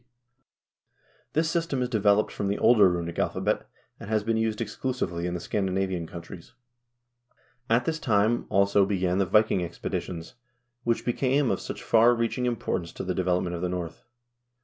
44 HISTORY OF THE NORWEGIAN PEOPLE This system is developed from the older runic alphabet, and has been used exclusively in the Scandinavian countries. At this time, also, began the Viking expeditions, which became of such far reaching importance to the development of the North.